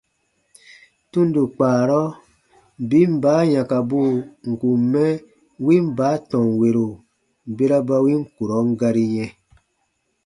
Tundo kpaarɔ, biin baa yãkabuu n kùn mɛ win baa tɔnwero bera ba win kurɔn gari yɛ̃,